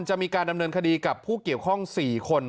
จะมีการดำเนินคดีกับผู้เกี่ยวข้อง๔คน